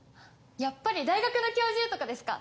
やっぱり大学の教授とかですか？